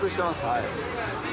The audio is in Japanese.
はい。